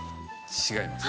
違います。